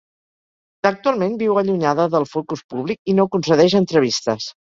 Actualment viu allunyada del focus públic i no concedeix entrevistes.